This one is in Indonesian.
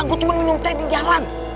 gue cuma minum teh di jalan